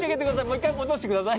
一回戻してください。